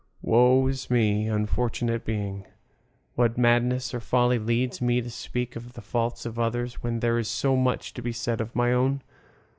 Woe is me, unfortunate being! What madness or folly leads me to speak of the faults of others, when there is so much to be said about my own?